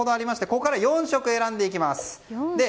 ここから４色選んでいきます。